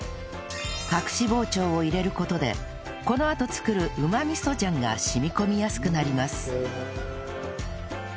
隠し包丁を入れる事でこのあと作るうま味噌醤が染み込みやすくなります